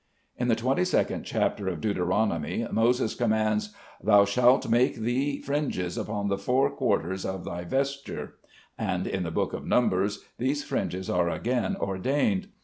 In the 22d chapter of Deuteronomy, Moses commands: "Thou shalt make thee fringes upon the four quarters of thy vesture," and in the Book of Numbers these fringes are again ordained.